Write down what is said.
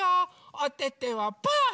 おててはパー！